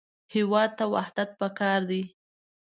هېواد ته وحدت پکار دی